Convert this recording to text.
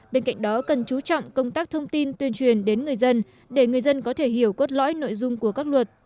bên cạnh đó cần chú trọng công tác thông tin tuyên truyền đến người dân để người dân có thể hiểu cốt lõi nội dung của các luật